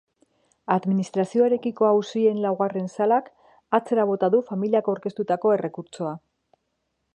Administrazioarekiko auzien laugarren salak atzera bota du familiak aurkeztutako errekurtsoa.